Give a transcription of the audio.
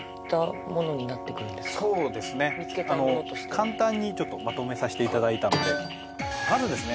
簡単にちょっとまとめさせていただいたのでまずですね